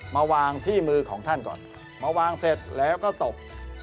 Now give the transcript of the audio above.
มาวางที่มือของท่านก่อนมาวางเสร็จแล้วก็ตก